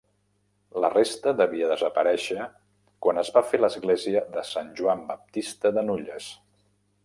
La resta devia desaparèixer quan es va fer l'església de Sant Joan Baptista de Nulles.